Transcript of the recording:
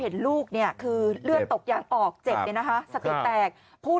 เห็นลูกคือเลือดตกยางออกเจ็บสติแตก